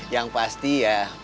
yang pasti ya